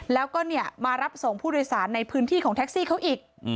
แล้วก็มารับส่งผู้โดยสารในพื้นที่ของแท็กซี่เขาอีก